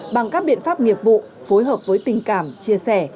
bằng các biện pháp nghiệp vụ phối hợp với tình cảm chia sẻ